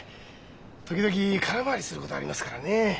時々空回りすることありますからね。